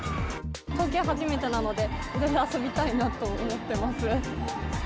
東京は初めてなので、いろいろ遊びたいなと思ってます。